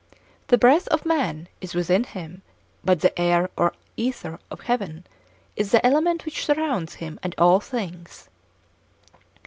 The breath of man is within him, but the air or aether of heaven is the element which surrounds him and all things.